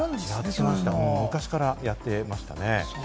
昔からやってましたね。